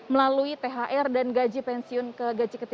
melalui thr dan gaji pensiun ke gaji ke tiga